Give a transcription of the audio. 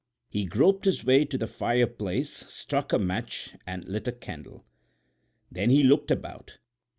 He groped his way to the fire place, struck a match and lit a candle. Then he looked about.